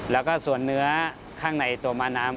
แล้วก็ส่วนเนื้อข้างในตัวม้าน้ำ